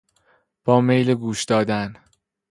با میل گوش دادن